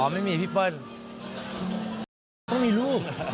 ไม่มีพี่เปิ้ลต้องมีลูก